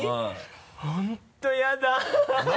本当やだ